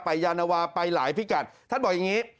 ยานวาไปหลายพิกัดท่านบอกอย่างนี้